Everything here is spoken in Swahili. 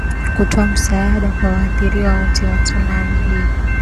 kutoa msaada kwa waathiriwa wote wa tsunami hi